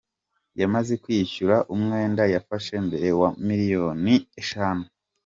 Yamaze kwishyura umwenda yafashe mbere wa miliyoni eshanu.